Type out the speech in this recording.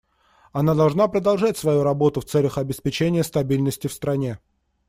Она должна продолжать свою работу в целях обеспечения стабильности в стране.